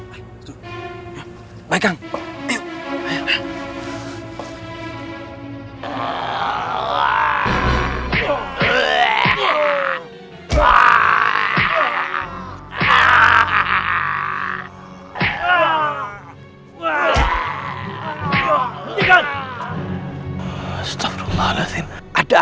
apa itu kang